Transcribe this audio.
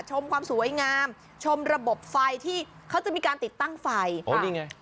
ชมความสวยงามชมระบบไฟที่เขาจะมีการติดตั้งไฟอ๋อนี่ไง